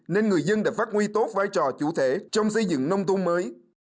nên người dân đã phát huy tốt vai trò chủ thể trong xây dựng nông thôn mới